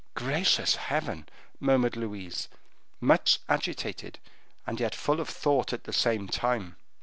'" "Gracious heaven!" murmured Louise, much agitated, and yet full of thought at the same time.